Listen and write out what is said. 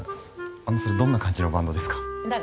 あのそれどんな感じのバンドですか？